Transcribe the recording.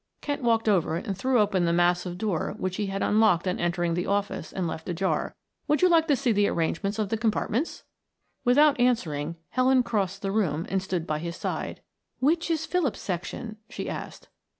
Kent walked over and threw open the massive door which he had unlocked on entering the office and left ajar. "Would you like to see the arrangements of the compartments?" Without answering Helen crossed the room and stood by his side. "Which is Philip's section?" she asked.